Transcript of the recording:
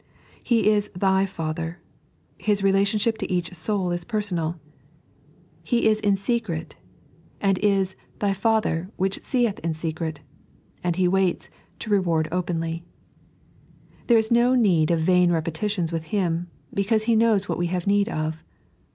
He is (Ay Father — His relationship to each soul is personal. He is 3.n.iized by Google The Appeoval op Conscibncb. 105 in secret, and is " thy Father, which seeth in secret," and He waittj "to reward openly." There is no need of vain repetitions with Him, because He knows what we have need of.